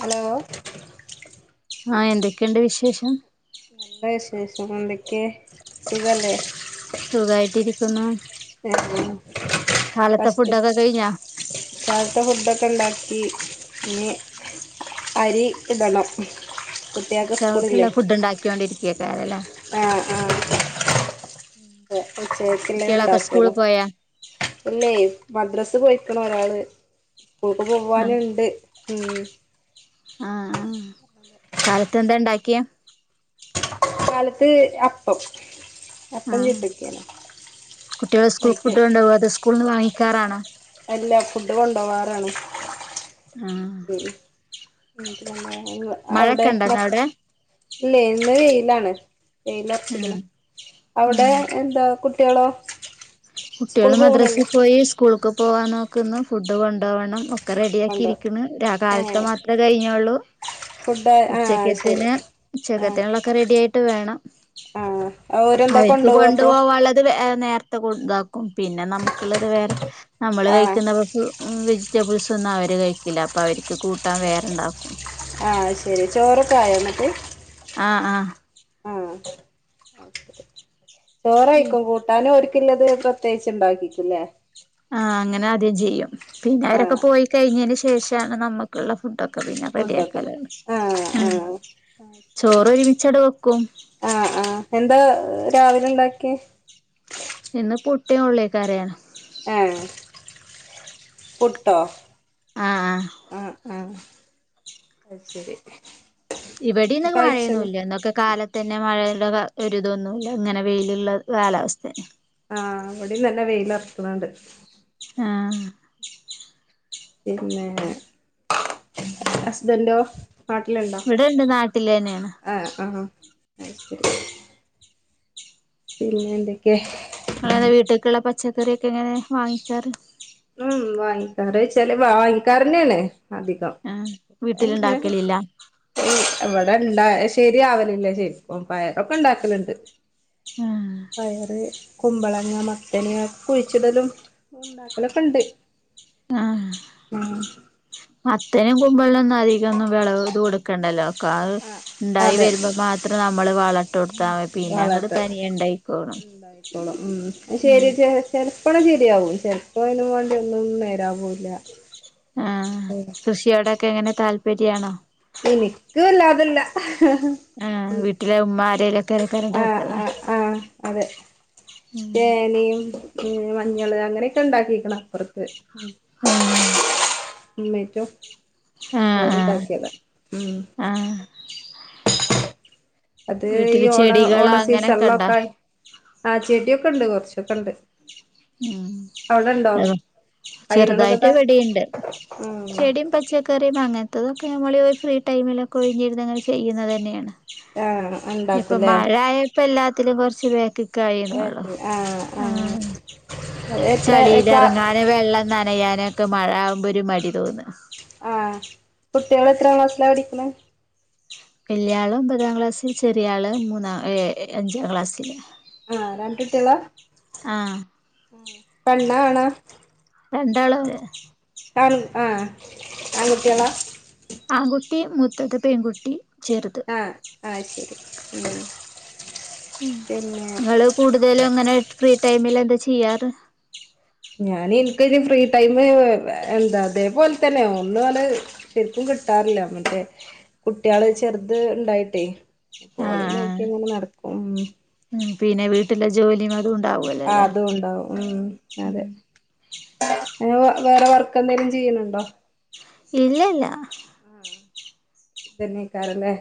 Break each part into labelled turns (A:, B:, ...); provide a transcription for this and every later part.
A: Hello
B: ആ എന്തൊക്കെയുണ്ട് വിശേഷം
A: ല്ലവിശേഷം എന്തെക്കെ സുഖല്ലേ
B: സുഖായിട്ട് ഇരി ക്ന്നു
A: [inaudible] ഇന്നത്തെ
B: ഫുഡൊക്കെ കഴിഞ്ഞാ
A: ഫുഡൊക്കെ ഉണ്ടാക്കി പിന്നെ അരി ഇടണം കുട്ടികൾക്ക്
B: ഉച്ചകേക്ക്ള്ള
A: സ്കൂളില്ലേ
B: ഫുഡ് ഉണ്ടാക്ക്യോ ണ്ടിരിക്കക്കൊലല്ലേ
A: ആഹ് ആഹ്
B: കുട്ടികളൊക്കെ സ്കൂള് പോയാ
A: ഇല്ലെ മദ്രസ് പോയിക്ക്ണ് ഒരാള് സ്ക്കൂൾക്ക് പോവാനുണ്ട് ഉം
B: ആ ആ കാലത്ത് എന്താ ഇണ്ടാക്കിയെ
A: കാലത്ത് അപ്പം
B: ആ
A: അപ്പം ചുട്ടിക്കാണ്
B: കുട്ടികൾ സ്കൂൾക്ക്
A: അയിക്ക്
B: ഫുഡ് കൊണ്ടോവോ അതോ സ്കൂൾന്ന് വാങ്ങി ക്കാറാണ
A: ഇല്ല ഫുഡ് കൊണ്ടോവാറാണ്
B: ആ
A: ഉം [inaudible] [unintelligible] അവിടെ
B: അവിടെ
A: [unintelligible] ഇല്ലേ ഇന്ന് വെ ലാണ് വെയിലർച്ചിക്ക്ണ്
B: ആഹ്
A: അവിടെ
B: ആഹ്
A: എന്താ കു ട്ട്യേളോ
B: കുട്ടികള് മദ്രസ് പോയി സ്കൂൾക് പോവാൻ നോക്ക്ന്നു ഫുഡ് കൊണ്ടോ വണം ഒ ഒക്കെ റെഡിയ ആക്കി
A: കൊണ്ടോ
B: ഇരിക്കണ് ഒ
A: ഏ
B: കാലത്തെ മാത്രേ കഴിഞ്ഞുള്ളൂ
A: ഫുഡ് ആ ശരി
B: ഉച്ചക്കത്തിന്
A: ആ
B: ഉച്ചക്കത്തിനുള്ളൊക്കെ റെഡി ആയിട്ട് വേണം
A: ആ ഓരെന്താ
B: അവര്ക്ക്
A: കൊണ്ടുപോവാ
B: കൊണ്ടു
A: അപ്പൊ
B: പോവാള്ളത് ഏ നേർ ത്തെ കുട് ഇതാക്കും പിന്നെ നമുക്കുള്ളത് വേറെ നമ്മള്
A: ആ
B: കഴിക്കുന്ന വ ഫുൾ വെജ് റ്റബിൾസ് ഒന്നും അവര് കഴിക്കില്ല അപ്പൊ അവർക്ക് കൂട്ടാൻ വേറെണ്ടാക്കും
A: ആ ശരി ചോറൊക്കെ ആയോ ഇന്നിട്ട്
B: ആ ആ ഉം
A: ചോറായിക്കും കൂട്ടാന് ഓര് ക്കുള്ളത് പ്രത്യേകിച്ച് ഇണ്ടാക്കിക്കുല്ലേ
B: ആ അങ്ങനെ ആദ്യം ചെയ്യും പിന്നെ
A: ആ
B: അവരൊക്കെ പോയി കഴിഞ്ഞതിന് ശേഷാണ് നമ്മുക്കുള്ള ഫുഡ് ഒ ക്കെ പിന്നെ
A: ഫുഡൊക്കണം
B: റെഡിയാക്കലാണ്
A: ആ ആ
B: ഉം ചോറ് ഒരുമിച്ചട് വെ ക്കും
A: ആ ആ എന്താ രാവിലെ ഇണ്ടാക്കി
B: ഇന്ന് പുട്ടിം ഉള്ളിക്കറിയാണ്
A: ആ പുട്ടോ
B: ആഹ് ആഹ്
A: ആ ആ അത് ശരി
B: ഇവടിന്ന്
A: ഇപ്പ അയച്ചന്ന്
B: മഴയൊന്നുല്ല ഇന്നൊക്കെ കാല ത്തെന്നെ മഴയു ലെ ഒരിതൊന്നുല്ല ഇങ്ങനെ വെയിലുള്ള കാലാവസ്ഥന്നെ
A: ആ ഇവടിം നല്ല വെയിലർക്ക് ണ് ണ്ട്
B: ആ
A: പിന്നെ ഹസ്ബൻറ്റോ
B: ഇവിടെണ്ട് നാട്ടിലന്നേണ്
A: അയ് ശരി പിന്നെ എന്തെക്കെ
B: ആള് വീട്ട്ക്ക്ള്ള പച്ച ഇതൊരെക്കെ എങ്ങനെ വാങ്ങിച്ചാറ്
A: കൊറേ ചെലവാ വൽക്കാരന്നേണ്. അധികം
B: ആഹ് വീട്ടിലുണ്ടാക്കലില്ല
A: ഇവടെയിങ്ങ ശരിയാവലില്ല ചേച്ച് പയ ഒക്കെ ഇ ണ്ടാക്കല്ണ്ട്.
B: ആഹ്
A: പയറ്, കുമ്പളങ്ങ, മത്തന് കുഴിച്ചിടലും ഉ
B: ആഹ്
A: [unintelligible] ആ
B: മത്തനും കുമ്പളവും ഒന്നും അധികം മെന്നും വിളവ് ഇത് കൊടുക്കണ്ടല്ലോ കാഹ്
A: ആഹ്
B: ഇണ്ടായി
A: അതെ
B: വരുമ്പോ മാത്രം നമ്മള് വളട്ട് കൊടുത്താ പിന്നെ അങ്ങട്ട്
A: വളട്ട്
B: തനിയെ ഇണ്ടായികോളും
A: ഉണ്ടായിക്കോളും
B: ഉം
A: ചെലപ്പല് ശരിയാവും ചെിലപ്പോ അതിന് വേണ്ടി ഒന്നും നേരാവൂല്ല
B: ആ കൃഷിയവിടെ കെ എങ്ങനെ താല്പര്യ ആണോ
A: എനിക്ക് ഇല്ലാതില്ല.
B: ആഹ്
A: ക്
B: വീട്ടിലെ ഉമ്മ ആരേലൊക്കെ ആക്കാരം
A: ആ
B: ഉണ്ടാക്കലാ
A: ആ ആ അതെ ചേനയും മഞ്ഞള് അങ്ങനെയൊക്കെ ഇണ്ടാക്കിക്ണ് അപ്പർത്ത്
B: ആ
A: ഉമ്മേ റ്റോ
B: ആ ആ
A: ഉം
B: ആ
A: അത് ഈ
B: വീട്ടില്
A: ഓണ ഓണ
B: ചെടികള് അങ്ങനെയൊക്കെ ഉണ്ടോ
A: സീസണിലൊക്കെ ആ ചെടിയൊക്കെ ഇണ്ട് കുറച്ചൊക്കെ ഇണ്ട്
B: ഉം
A: അയിനോടൊക്കെ
B: ചെറുതായിട്ട്
A: താ
B: ഇവിടെണ്ടു
A: ഉം
B: ചെടിയും പച്ചക്കറിയും അങ്ങനെ ത്തതൊക്കെ നമ്മൾ ഒരു ഫ്രീ ടൈമിലക്കെ ഒഴിഞ്ഞിരുന്നെ ചെയ്യുന്നത് തന്നെയാണ്
A: ആഹ്
B: ഇപ്പൊ
A: ഉണ്ടാക്കൂലേ
B: മഴയായപ്പോ എല്ലാത്തിലും കൊറച്ച് [unintelligible] ക്കായിന്നൊള്ളു ആഹ്
A: എത്ര ക്ലാ
B: ചളീലെറങ്ങാന് വെള്ളം നനയാന് ഒക്കെ മഴ ആകുമ്പോ ഒരു മടി തോന്നാ
A: കുട്ട്യേള് എത്രാം ക്ലസ്സിലാ പഠിക്കണെ
B: വല്യാള് ഒമ്പതാം ക്ലാസ്സില് ചെറിയാള് മൂന്നാം ഏ അഞ്ചാം ക്ലാസ്സില്
A: ആ രണ്ടുട്ട്യേളാ ഉം പെൺ പെണ്ണാ ആണാ?
B: രണ്ടാള്
A: ആൺകുട്ടിയാളാ
B: ആൺകുട്ടി മൂത്തത് പെൺകുട്ടി ചെറുത്
A: ആ ആ അയ്ശെരി ഉം
B: ഉം
A: പിന്നെ
B: ങ്ങള് കൂടുതലുങ്ങനെ എ ഫ്രീ ടൈമിൽ എന്താ ചെയ്യാറ്
A: ഞാൻ ഇന്ക്കോരു ഫ്രീ ടൈമ് എന്താ അതേപോല് തന്നെ ഒന്നാട് ശരിക്കും കിട്ടാറില്ല മറ്റേ കുട്ട്യാള് ചെറുത് ഇണ്ടായിട്ടേ ഓളിം
B: ആഹ് ആഹ്
A: നോക്കി അങ്ങനെ നടക്കും
B: ഉം പിന്നെ വീട്ടിലെ ജോലിയും അതു
A: ആ അതൂണ്ടാവും ഉം അതെ ഏ വേറെ വർക്കന്തേലും ചെയ്യ്ണണ്ടോ
B: ഇല്ല ഇല്ല
A: ഇതന്നെക്കാരല്ലേ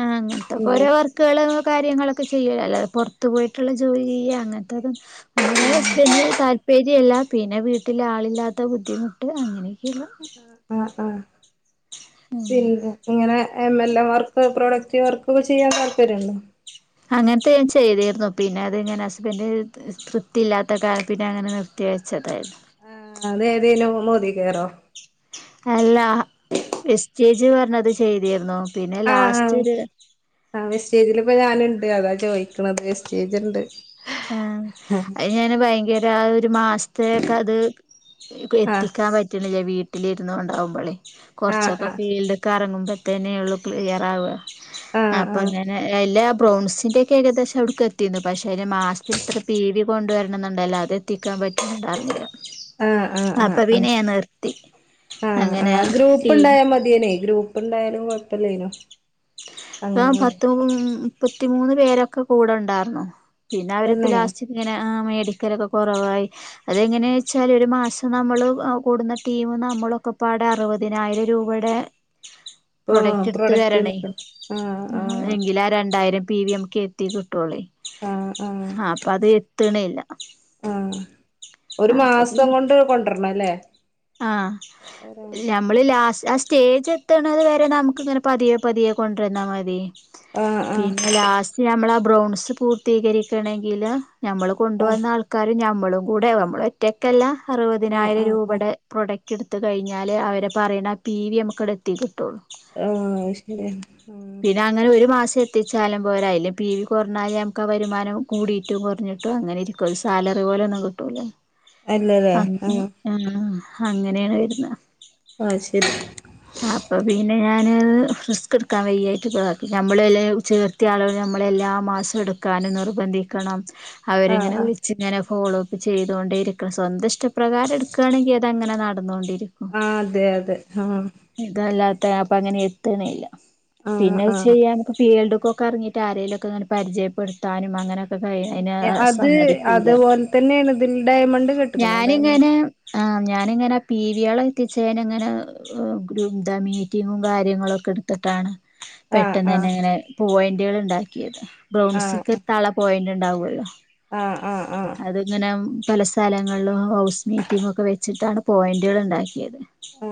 B: ആ അങ്ങത്തൊക്കൊ
A: ഇങ്ങനെ
B: ഓരോ വർക്ക്കള് കാര്യങ്ങളൊക്ക ചെയ്യും അല്ലാതെ പൊറത്തു പോയിട്ടുള്ള ജോലി ചെയ്യാ അങ്ങനത്തെതും ഒന്നാമതെ ഹസ്ബന്റിന് താല്പര്യല്ല പിന്നെ വീട്ടില് ആളില്ലാത്ത ബുദ്ധിമുട്ട് അങ്ങനെക്കെയിള്ള
A: ആഹ് ആഹ് പിന്നെ ഇങ്ങനെ M L A work product വർക്കൊക്കെ ചെയ്യാൻ താല്പര്യണ്ടോ
B: അങ്ങനത്തെ ചെയ്തിരുന്നു പിന്നെ അത്ങ്ങനെ ഹസ്ബന്റിന് തൃ തൃപ്ത്തിയില്ലാത്തകാര്യം പിന്നെ അങ്ങനെ നിർത്തിവെച്ചതായിരുന്നു
A: ആ അത് ഏതെയ്നു മോദി കെയ്റോ
B: അല്ലാ വെസ്റ്റേജ് പറഞ്ഞത് ചെയ്തിര്ന്നോ? പിന്നെ
A: ആഹ്
B: ലാസ്റ്റൊരു
A: ആഹ് വെസ്റ്റേജില് ഇപ്പ [unintelligible] അതാ ചോയിക്ക്ണത് വെസ്റ്റേജ്ണ്ട്
B: ആ അയിന് ഞാന് ഭയങ്കര ര ഒരു മാ സ് പേക്കത്
A: ആഹ്
B: ക്ലത്തിക്കാൻ പറ്റുന്നില്ല വീ ട്ടിലിര്ന്നോണ്ടാവുമ്പളേ
A: ആഹ്
B: കൊറ്ച്ചൊക്കെ ഫീൽഡ്ക്ക് അറ്ങ്ങ്മ്പേ ത്തനെയുള്ളു ക്ലിയറാവാ
A: ആഹ് ആഹ്
B: അപ്പൊങ്ങനെ എല്ലാ പ്രോൺസിന്റെക്കെ ഏകദേശം അവുടുക്കത്തീണ് പക്ഷെ രെ മാ തിന് ഇത്ര പി വി കൊണ്ടുവര്ണന്ന്ണ്ടല്ലോ അതെത്തിക്കാൻ പ റ്റ്ണണ്ട് അതൊന്നേല്ല
A: ആഹ് ആഹ് ആഹ് ആഹ്
B: അപ്പ
A: ആഹ്
B: പിന്നെ ഞാൻ നിർത്തി
A: ആഹ്
B: അങ്ങനെ ടീം
A: പ്പണ്ടയാലും കൊഴപ്പല്ലേനു
B: ഞാൻ പത്ത് [unintelligible] മുപ്പത്തിമൂന്ന് പേരൊക്കെ കൂടെണ്ടാര്ന്നോ പിന്നെ അവരൊക്ക
A: തന്നെ
B: ലാസ്റ്റ ഇങ്ങനെ ആ മ വില്ക്കലൊക്കെ കൊറവായി അതെങ്ങനെച്ചാല് ഒരു മാസ ന്നെ നമ്മള് ആ കൂടുന്ന ടീമും നമ്മളൊക്കപാടെ അറുപതിനായിരം രൂപയുടെ
A: ഓഹ് പ്രോഡക്റ്റ് [unintelligible]
B: ആ എങ്കിലാ രണ്ട് രണ്ടായിരം പി വി നമുക്ക് എത്തി കിട്ടോളുവേ
A: ആ ആ ആ ഒരു മാസം കൊണ്ട് കൊണ്ടുരണം ല്ലേ
B: ആ ഞമ്മള് ലസ്റ്റ സ്റ്റേജ് എത്ത്ണത് വരെ നമുക്ക് ഇങ്ങനെ പതിയോ പതിയോ കൊണ്ടരന്നാൽ മതി
A: ആ ആ ആ
B: പിന്നെ ലാസ്റ്റ് നമ്മള് അ ബ്രൗൺസ് പൂർത്തീകരിക്കണെങ്കില് ഞമ്മള് കൊണ്ടുവന്ന ആൾക്കാരും ഞമ നമ്മള കൂടെ നമ്മളറ്റക്കല്ലാ
A: ആ
B: അറുപതിനായിരം
A: ആ ആ
B: രൂപടെ പ്രൊഡക്റ്റ് എടുത്ത കഴിഞ്ഞാൽ അവര് പറയുന്ന പി വി നമുക് അവടെ എടുത്തിക്കും
A: ആ ശരിയ ആ
B: ചെത്തിച്ചാലും പോരാ അയില് പി വി കുറഞ്ഞാല നമുക്ക് ആ വരുമാനം കൂടിയിട്ടും കുറഞ്ഞിട്ടും അങ്ങനെ ഇരിക്കും സാലറി പോലെ ഒന്നും കിട്ടൂല അങ് ആ അങ്ങനെണ് വരുന്നേ
A: ആ ശരി
B: അപ്പൊ പിന്നെ ഞാന് റിസ്ക് എടുക്കാൻ വയ്യായിട്ട് ക്ക് [inaudible] നമ്മള് എല്ല ചേർത്തി ആളുകൾ നമ്മളെല്ലാ മാസം എടുക്കാനും നിർബന്ധിക്കണം
A: ആ
B: അവരിങ്ങനെ
A: ആ
B: വിളിച്ച ഇങ്ങനെ ഫോളോ അപ്പ് ചെയ്തൊണ്ടരി സ്വന്തം ഇഷ്ടപ്രാകാര എടുക്കുകയാണെങ്കിൽ അത അങ്ങനെ നടന്നുകോണ്ടിരി
A: ആ അതെ അതെ ആ
B: ഇതല്ലാത്ത അപ്പം അങ്ങനെ എത്തുന്നില്ല.
A: ആ
B: പിന്നെ
A: ആ
B: ചെയ്യാൻ ക്കെ പിഎല്ടും കൊക്കെ അറങ്ങീട്ട് ആരേലൊക്കെ ങ്ങനെ പരിചയപ്പെടുത്താനും അങ്ങനെ ഇപ്പം കഴിഞ് അയ്‌ന്
A: അത്
B: സമ്മതിക്കൂല.
A: അതുപോലെ തന്നെയാണ് ഇതിൽ ഡയമണ്ട് കെട്ടക്കണോ ഡയമണ്ട്
B: ഞാനിങ്ങനെ ആ ഞാനിങ്ങനെ പി വി ആളെ എത്തിച്ചേന് ഇങ്ങനെ ഗ്രൂപ്പ് ദ മീറ്റിങ്ങും കാര്യങ്ങളൊക്കെ എടുത്തിട്ടാണ്
A: ആ
B: പെട്ടെന്ന്
A: ആ
B: തന്നെ ഇങ്ങനെ പോയൻ ട്ടികൾ ഉണ്ടാക്കിയതാ.
A: ആ
B: ബ്രൗൺസ്ക്ക് എത്താള്ള പോയിന്റ് ണ്ടാവല്ലോ
A: ആ ആ ആ
B: പല സ്ഥലങ്ങളിലും ഹൗസ് മീറ്റിംഗ് ഒക്കെ വെച്ചിട്ടാണ് പോയിന്റുകൾ ഉണ്ടാക്കിയത്.
A: ആ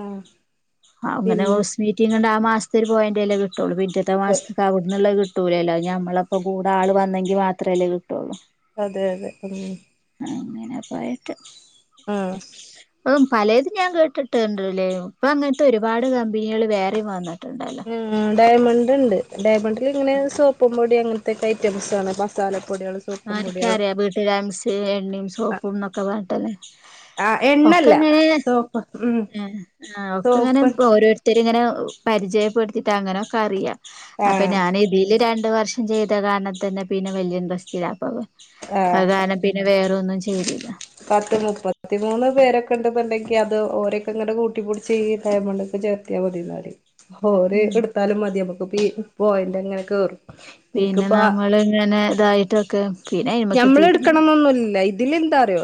B: അങ്ങനെ
A: പിന്നെ
B: ഹൗസ് മീറ്റിങ്ങിന്റെ ആപ്പ് മാസത്തിൽ പോയ്ല്ല കട്ടുള്ളൂ പിഡി ഇന്നാത്തെ മാസ്ക്ക ആവടന്നല്ലേ കി [unintelligible] കിട്ടൂലല്ലോ നമ്മളപ്പോ കൂടെ ആൾ വന്നെങ്കിൽ മാത്രമല്ലേ കിട്ടുള്ളൂ
A: അതെ അതെ ഉ
B: അങ്ങനെ പോയിട്ട്
A: ആഹ
B: യ് പലെതും ഞാൻ കേട്ടിട്ട്ണ്ട്ല്ലേ ഇപ്പൊ അങ്ങട് ഒരുപാട് പേർ
A: ഉ ഡയമണ്ട് ഉണ്ട് ഡയമണ്ട് ഇത് ഇങ്ങനെ സോപ്പും പൊടി അങ്ങനത്തെക്കെ ഐറ്റംസ്സണ് ഇപ്പം മസാല
B: ആരിക്കറിയാ വീട്ടില എം സി എണ്ണയും സോപ്പും എന്നെക്കെ പറ
A: ആ എണ്ണല്ല സോപ്പ് ഉം
B: ആ ആ ഒക്ക ഇങ്ങനെ
A: സോപ്പ്
B: ഓരോരുതര് ഇങ്ങനെ പരിചയപ്പെടുത്തിയിട്ട് അങ്ങനെയൊക്കെ അറിയാം അപ്പൊ
A: ആഹ്
B: ഞാൻ ഇതില് രണ്ട് രണ്ട് വർഷം ചെയ്ത കാരണത്തന്നെ പിന്നെ വലിയ സ്റ്റേയിൽ ലാഭംയവും
A: ആഹ്
B: അതുകാരണം പിന്നെ വേറെ ഒന്നും നേടില്ല
A: പത്ത് മുപ്പത്തിമൂന്ന് പേരൊക്കെഉണ്ട്‌ എന്നുണ്ടങ്കിൽ അത് ഓരൊക്കെ ഇങ്ങനെ കൂട്ടിപൂടിച്ച് ചെയ്തയുണ്ടക്കെ ചേർത്തിയാ മതിന്നാടി ഓര്
B: ഉം
A: എടുത്താലും മതി നമുക്ക് പോയന്റ് എങ്ങനെയൊക്കെ കേറും
B: പിന്നെ
A: എനിക്കിപ്പ
B: നമ്മൾ ഇങ്ങനെ ഇതായിട്ടൊക്കെ പിന്നെ ഇമക്ക് തീരുന്നു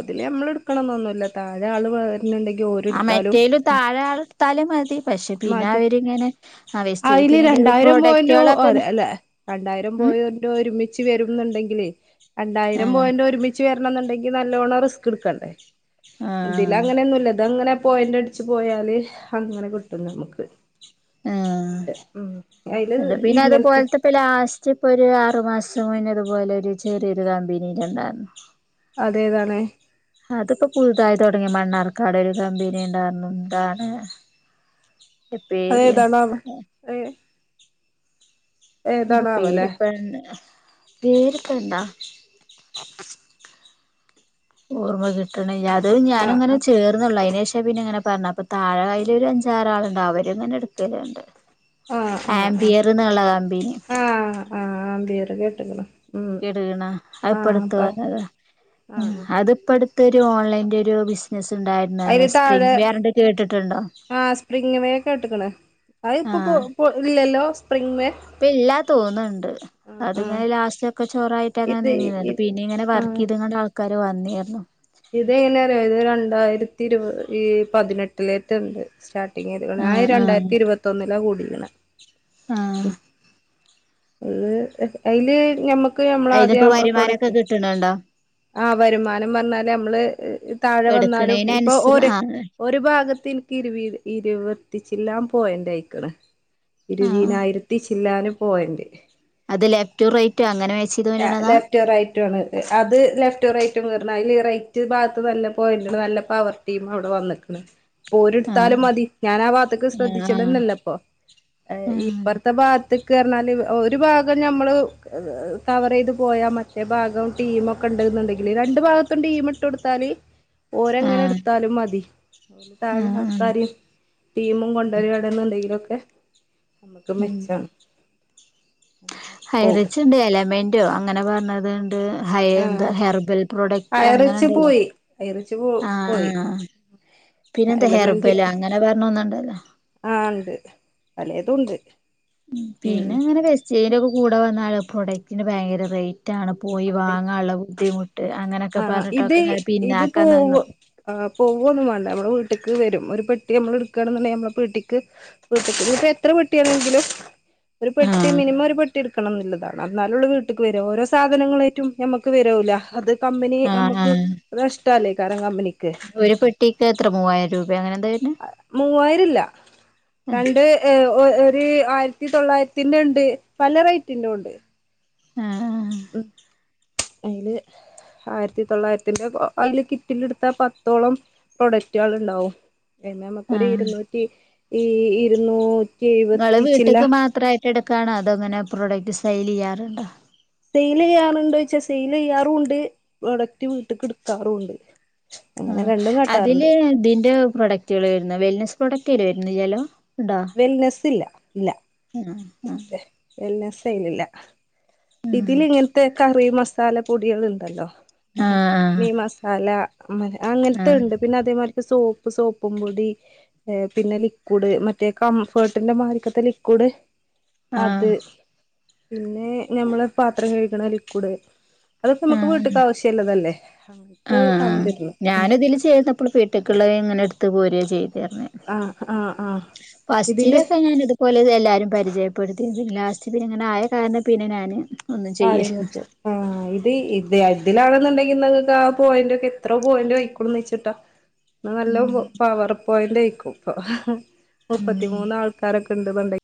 A: അതില് നമ്മൾ എടുക്കണം എന്നൊന്നുമില്ല താഴ ആള് വേറെ ന്നുണ്ടെങ്കിൽ ഓര്
B: ആ
A: എടുത്താലും
B: മറ്റേലും താഴെ ഇട്ടാല് മതി പക്ഷെ പിന്നെ
A: മാതി
B: അവരിങ്ങനെ ആ വേസ്റ്റ്
A: അതില്
B: പിന്നെ
A: രണ്ടായിരം പോയന്റെോ
B: പ്രൊഡക്റ്റുകളൊക്കെ
A: അല്ലെ രണ്ടായിരം
B: ഉം
A: പോയന്റെ ഒരുമിച്ച് വരുണ്ടെങ്കിൽ രണ്ടായിരം
B: ആഹ്
A: പോയിന്റെ ഒരുമിച്ച് വരണം എന്നുണ്ടെങ്കിൽ ഈ നല്ലോണം റിസ്ക് എടുക്കണ്ടേ ഇതില്
B: ആഹ്
A: അങ്ങനെയൊന്നുയില്ല ഇതങ്ങനെ പോയിന്റ് അടിച്ച് പോയാലെ അങ്ങനെ കിട്ടും നമുക്ക്
B: ആ
A: ഉം അയില്
B: അ പിന്നെ
A: ഇങ്ങനത്തെ
B: അതുപോലത്തെപ്പ ലാസ്റ്റ് ഇപ്പൊ ഒരു ആറുമാസം ഇതുനുമുന്ന് ഇതുപോലെ ഒരു ചെറിയൊരു കമ്പനിയിലിണ്ടായിരുന്നു
A: അത്‌ ഏതാണ്
B: അതിപ്പോ പുതുതായി തുടങ്ങി മണ്ണാർക്കാട് ഒരു കമ്പനി ഉണ്ടായിരുന്നു എന്താണ്
A: അതേതാണാവോ
B: എഎപ്പോ
A: ഏ
B: അതിന്റെ പേര്
A: ഏതാണാവോല്ലേ
B: ഇപ്പൻ പേര് ഇപ്പൊ എന്താ ഓർമ്മ കിട്ട്ണില്ല ത്
A: ആഹ്
B: ഞാനങ്ങനെ ചേർന്നുള്ളെ അയിനേഷം പിന്നങ്ങനെ പർഞ്ഞ അപ്പ താഴ കൈയിൽ ഒരു അഞ്ചാറാള്ണ്ട് അവര്ങ്ങനെ ഇട്ക്കല്ണ്ട്
A: ആഹ് ആഹ് ആഹ് ആഹ്
B: ആംബിയറിനുള്ള കമ്പനി
A: ത് കേട്ട്ക്ക്ണ് ഉം
B: കേട്ട്ക്കണ അഹ്
A: ആഹ്
B: ഇപ്പൊട്ത്ത
A: അപ്പ
B: വന്നതാ
A: ആഹ്
B: അത് ഇപ്പട് ത്തൊരു ഓൺലൈൻന്റൊരു ബിസിനസ് ഉണ്ടായിരുന്നല്ലോ
A: അയില്
B: സ്പ്രിംഗ്
A: താഴെ
B: വേറിന്റെ കേട്ടിട്ടുണ്ടോ
A: ആഹ സ്പ്രിംങ് വേ കേട്ട്ക്ക്ണ് അഹ്പ്പൊ പൊ പൊ ഇല്ലല്ലോ സ്പ്രിംങ് വേ
B: പ്പ്ല്ലാ തോന്ന്ണ്ട്
A: ആഹ് ആഹ്
B: അത്ങ്ങനെ ലാസ്റ്റോക്കെ ചോറായിട്ടങ്ങനെ
A: ഇത്
B: നിന്നീന്ന്
A: ഇ
B: ന്നട്ട് പിന്നിങ്ങനെ വർക്കെയ്ത് കാണ്ട് കാരു വന്നിരുന്നു
A: ഇതെയ്ലാറിയോ ഇത് രണ്ടായിരത്തി ഇരുപത് ഈ പതിനെട്ട്ലേറ്റ്ണ്ട് സ്റ്റാട്ട് [unintelligible] ഞാ
B: ആഹ് ആഹ്
A: രണ്ടായിരത്തി ഇരുപത്തൊന്നിലാ കൂടി ക്ണെ
B: ആഹ്
A: [unintelligible] അയില് ഞമ്മ
B: അയ്നിപ്പോ വരുമാനൊക്കെ കിട്ട്ണ് ണ്ടോ
A: ആഹ വരുമാനം പർഞ്ഞാല് നമ്മള് താഴെ വന്നാലും
B: എടുക്കണേന്
A: ഇപ്പൊ
B: അനുസ
A: ഒരു
B: ആഹ്
A: ഒരു ഭാഗത്ത് എനിക്ക് ഇരുവ ഇരുവത്തിച്ചില്ലാം പോയന്റയിക്ക്ണ്
B: ആഹ്
A: ഇരുവീനായിരത്തി ചില്ലാനും- പോയന്റ്
B: അത് ലെഫ്റ്റും റൈറ്റും അ-
A: ലെഫ്റ്റ് റൈറ്റ് ആണ്ത് അത് ലെഫ്റ്റും റൈറ്റും കയറ്ണ അയ്ല് ഈ റൈറ്റ്- മറ്റേ ഭാഗത്ത് നല്ല പോയിന്റ്ണ് നല്ല പവർ ടീം അവിടെ വന്നിക്ക്ണ് ഓരെടുത്താലും
B: ആഹ്
A: മതി ഞാൻ ആ വാത്ത്ക്ക്
B: ആഹ്
A: ശ്രദ്ധിച്ചലെന്നെല്ലപ്പൊ ഇപ്പർത്തെ ഭാഗത്ത്ക്ക് പറഞ്ഞാല് ഒരു ഭാഗം ഞമ്മള്- കവർ ചെയ്ത് പോയാ മറ്റേ ഭാഗം ടീമൊക്കെണ്ട്‌ന്നുണ്ടെങ്കില് രണ്ടു ഭാഗത്തും ടീം ഇട്ട് കൊടുത്താല്
B: ആഹ്
A: ഓരങ്ങനെ
B: ആഹ്
A: എടുത്താലും മതി താഴെള്ള
B: ആഹ്
A: ആൾക്കാരിം ടീമും കൊണ്ടരാണ്ന്ന്ണ്ടെങ്കിലൊക്കെ നമ്മുക്ക് മെച്ചമാണ്
B: ഹൈറിച്ച്ണ്ട് എലമെൻ ന്റ് അങ്ങനെ പറണത് ണ്ട് ഹൈർ ന്ത്‌
A: ആഹ്
B: ഹെർബൽ പ്രോഡക്ട്
A: അയറിച്ച്
B: അങ്ങനെണ്ടല്ലോ
A: പോയി അയറിച്ച് പോ
B: ആഹ്
A: പോയി
B: അഹ് പിന്നെന്താ
A: എലമെന്റ്
B: ഹെർബെല് അങ്ങനെ പറന്നൊന്ന്ണ്ടല്ലോ
A: ദുണ്ട്
B: പിന്നെങ്ങനെ ക ചെയിൻ്റെക്കെ കൂടെ വന്നാൽ പ്രൊഡക്റ്റിൻന് ഭയങ്കര റേറ്റ് ആണ് പോയി വാങ്ങാള്ള ബുദ്ധിമു
A: ആ ഇതെയ് ഇത്
B: നിന്ന്
A: പോവ ആ പോവൊന്നും വാണ്ട നമ്മളെ വീ ട്ടിക്ക് വരും ഒരു പെട്ടി നമ്മളെടുക്കുകയാണെന്നുണ്ടെങ്കി നമ്മളെ പീട്ടിക്ക് വീട്ട്ക്ക് ഇപ്പ എത്ര പെട്ടിയാണെങ്കിലും ഒരു പെട്ടി
B: ആഹ്
A: മിനിമം ഒരു പെട്ടി എടുക്ക ക്കണം എന്നുള്ളതാണ് അന്നാലൊള്ളു വീട്ട്ക്ക് വരാ ഓരോ സാധനങ്ങളേറ്റും നമ്മക്ക് വെരൂല അത് കമ്പനി
B: ആഹ്
A: നമുക്ക്
B: ആഹ്
A: അത് നഷ്ടാല്ലേ കാരം കമ്പനിക്ക് ക്ക്
B: ഒരു പെട്ടിക്ക് എത്ര മൂവായിരം രൂപ അങ്ങനെ എന്താ വരുന്നെ
A: മൂവായിരല്ല രണ്ട്‌ ഏ ഒ ത് ആയിരത്തി തൊള്ളായിരത്തിന്റെണ്ട് പല റേറ്റിന്റുണ്ട്
B: ആഹ് ആഹ്
A: അയില് ആയിരത്തി തൊള്ളായിരത്തിന്റെ അയില് കിറ്റിലെട്ത്താ പത്തോളം പ്രൊഡക്റ്റാള്ണ്ടാവും എന്ന നമുക്കൊരു
B: ആഹ്
A: ഇരുന്നൂറ്റി ഈ ഇരുന്നൂ
B: ഇങ്ങള് വീട്ട്ക്ക് മാത്രയി എടുക്കണോ അതോ അങ്ങനെ പ്രോഡക്റ്റ് സെയില് ചെയ്യാറുണ്ടോ
A: സെയില് ചെയ്യാറുണ്ടോ ചോയിച്ചാ സെയില് ചെയ്യാറുണ്ട് പ്രൊഡക്റ്റ് വീട്ട്ക്ക് ഇട്ക്കാറുണ്ട് ഉം
B: ആഹ് അതില് ഇതിന്റെ പ്രൊഡക്റ്റുകൾ വരുന്ന വെൽനെസ് പ്രൊഡക്റ്റ് അയില് വരുന്നില്ലാലോ
A: വെൽനെസ് ഇല്ല ഇല്ല
B: ആഹ് ആഹ്
A: സെയിലില്ല
B: ഉം
A: ഇതിലിങ്ങനത്തെ കറി മസാല പൊടികൾ ഇണ്ടല്ലോ [unintelligible]
B: ആഹ്
A: മീ മസാല മ അങ്ങനത്തെ
B: ആഹ്
A: ഇണ്ട് പിന്നെ അതേമാ സോപ്പ് സോപ്പും പൊടി പിന്നെ ലിക്വിഡ് മറ്റേ കംഫേർട്ടിന്റെ മാരിക്കത്തെ ലിക്വിഡ് അത്
B: ആഹ്
A: പിന്നെ ഞമ്മള് പാത്രം കഴിക്കണ ലിക്വിഡ് അത്പ്പോ നമ്ക്ക് വീട്ട്ക്ക് ആവശ്യമുള്ളതല്ലേ
B: ആ
A: അങ്ങനത്തെ ആണ് വരുന്നത് ഉം
B: ഞാനിതില് ചേർന്നപ്പോൾ വീട്ട്ക്കുള്ള ഇങ്ങനെടു ത്ത് പോരെ ചെയ്യും [unintelligible]
A: ആഹ് ആഹ് ആഹ് ഇതില്
B: ഫസ്റ്റിലൊക്കെ ഞൻ ഇതുപോലെ എല്ലാരും പരിചയ ഇപ്പോഴത്തെ ലാസ്റ്റ് പിന്നെങ്ങനെ ആയ കാരണം പിന്നെ ഞാന് ഒന്നും
A: ആരെ
B: ചെയ്യലില്ല
A: കിട്ടുംആ ഇത് ഇത് ഇതിലാണെന്നുണ്ടെങ്കിൽ കുന്നത് ആ പോയിന്റ്റ ഒക്കെ എത്ര പോയിന്റ് ആയിക്കോളുച്ചിട്ടാ നല്ലോ
B: ഉം
A: പവറ് പോയിന്റ് ഏക്കും ഇപ്പോൾ ആ മുപ്പത്തി
B: ഉം
A: മൂന്ന് ആൾക്കാര ഉണ്ട് വണ്ട